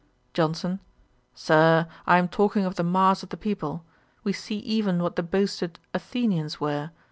JOHNSON. 'Sir, I am talking of the mass of the people. We see even what the boasted Athenians were.